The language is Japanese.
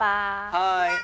はい。